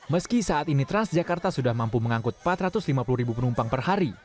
meski saat ini transjakarta sudah mampu mengangkut empat ratus lima puluh ribu penumpang per hari